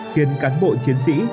khiến cán bộ chiến sĩ